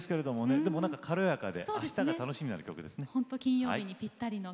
でも軽やかで、あしたが楽しみになる曲ですね。